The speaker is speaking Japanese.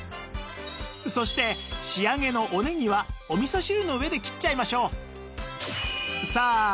そして仕上げのおネギはお味噌汁の上で切っちゃいましょう